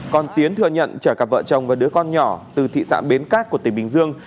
còn tiến thừa nhận chở cặp vợ chồng và đứa con nhỏ từ thị xã bến cát của tỉnh bình dương